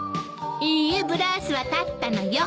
いいえブラウスは裁ったのよ。